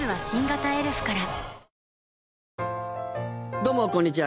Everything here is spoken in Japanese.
どうもこんにちは。